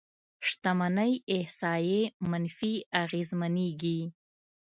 شتمنۍ احصایې منفي اغېزمنېږي.